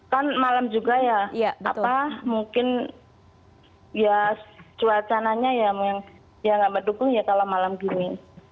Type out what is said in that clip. kan malam juga ya apa mungkin ya cuacananya ya nggak mendukung ya kalau malam gini